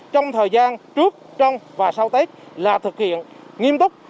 trong thời gian trước trong và sau tết là thực hiện nghiêm túc